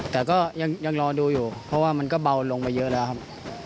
แต่ก็ยังรอดูอยู่เพราะว่ามันก็เบาลงไปเยอะแล้วครับ